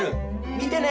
見てね！